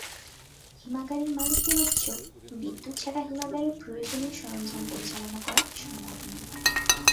হিমাগারের মালিকদের অভিযোগ, বিদ্যুৎ ছাড়া হিমাগারের প্রয়োজনীয় সরঞ্জাম পরিচালনা করা সম্ভব নয়।